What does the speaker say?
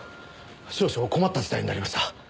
少々困った事態になりました。